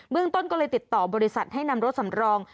ต้นก็เลยติดต่อบริษัทให้นำรถสำรอง